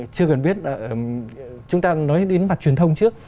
chưa cần biết là chúng ta nói đến mặt truyền thông trước